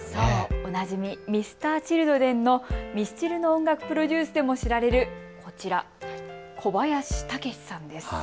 おなじみ、Ｍｒ．Ｃｈｉｌｄｒｅｎのミスチルの音楽プロデュースでも知られるこちら、小林武史さんです。